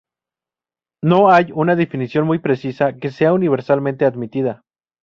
No hay una definición muy precisa que sea universalmente admitida.